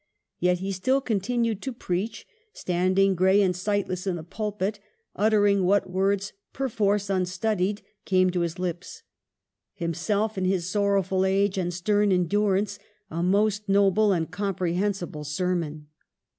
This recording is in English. Yet he still continued to preach ; standing gray and sightless in the pulpit, utter ing what words (perforce unstudied) came to his lips. Himself in his sorrowful age and stern endurance a most noble and comprehensible sermon.